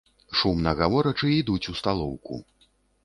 Шумна гаворачы, ідуць у сталоўку.